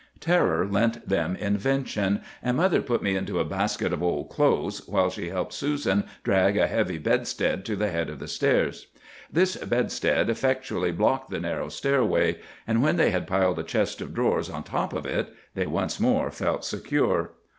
"Terror lent them invention, and mother put me into a basket of old clothes, while she helped Susan drag a heavy bedstead to the head of the stairs. This bedstead effectually blocked the narrow stairway, and when they had piled a chest of drawers on top of it they once more felt secure.